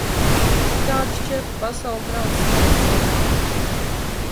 Citādi šķiet, ka pasaule traucas neizturami ātri.